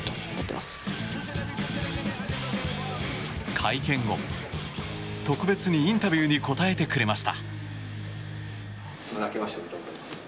会見後、特別にインタビューに答えてくれました。